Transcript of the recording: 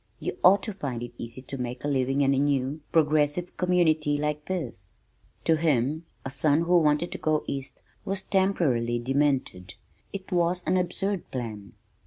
You ought to find it easy to make a living in a new, progressive community like this." To him, a son who wanted to go east was temporarily demented. It was an absurd plan.